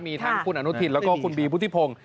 มีทั้งคุณอนุทินแล้วก็คุณบีพุทธิพงศ์